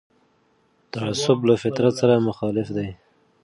تعصب له فطرت سره مخالف دی